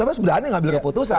tidak ada yang ngambil keputusan